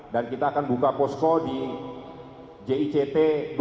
dan kita akan buka posko di jict dua